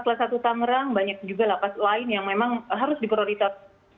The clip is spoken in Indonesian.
selain kelas satu tangerang banyak juga lah kelas lain yang memang harus diprioritaskan